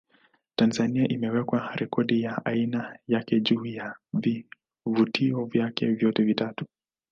Tanzania imeweka rekodi ya aina yake juu ya vivutio vyake vyote vitatu